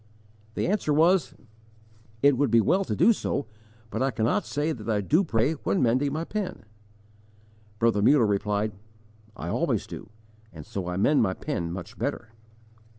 The answer was: "It would be well to do so, but I cannot say that I do pray when mending my pen." Brother Muller replied: "I always do, and so I mend my pen much better."